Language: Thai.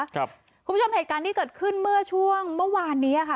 คุณผู้ชมเหตุการณ์ที่เกิดขึ้นเมื่อช่วงเมื่อวานนี้ค่ะ